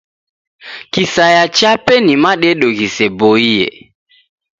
Kisaya chape ni madedo ghiseboie.